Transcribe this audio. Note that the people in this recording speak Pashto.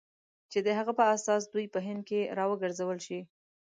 چې د هغه په اساس دوی په هند کې را وګرځول شي.